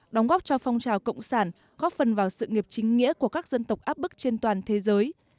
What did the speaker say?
đóng góp cho phong trào cộng sản góp phần vào sự nghiệp chính nghĩa của các dân tộc áp bức trên toàn thế giới